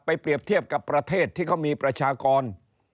เปรียบเทียบกับประเทศที่เขามีประชากร